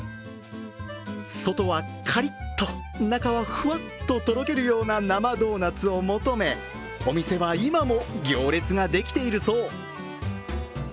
外はカリッと、中はふわっととろけるような生ドーナツを求めお店は今も行列ができているそう。